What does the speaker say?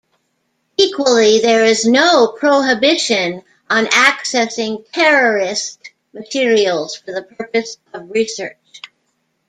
Equally, there is no 'prohibition' on accessing terrorist materials for the purpose of research.